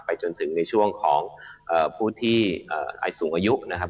จนถึงในช่วงของผู้ที่อายุสูงอายุนะครับ